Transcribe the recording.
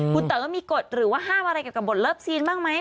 คุณเต๋อมีกฎหรือว่าห้ามอะไรเกี่ยวกับบทเลิฟซีนบ้างไหม